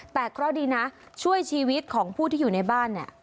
แต่เคราะห์ดีนะช่วยชีวิตของผู้ที่อยู่ในบ้านเนี่ย